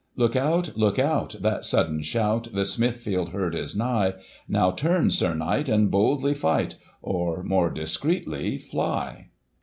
Look out, look out ! that sudden shout ! the Smithfield herd is nigh ! Now turn, Sir Knight, and boldly fight, or, more discreetly, fly.